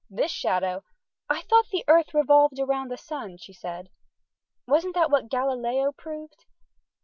This shadow " "I thought the earth revolved round the sun," she said. "Wasn't that what Galileo proved?"